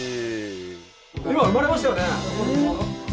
今生まれましたよね？